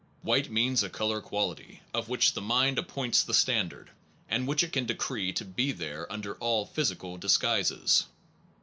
White means a color quality of which the mind ap points the standard, and which it can decree to be there under all physical disguises.